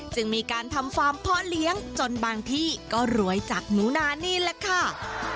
จึงมีการทำฟาร์มพ่อเลี้ยงจนบางที่ก็รวยจากหนูนานี่แหละค่ะ